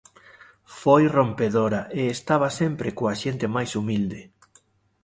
Foi rompedora e estaba sempre coa xente máis humilde.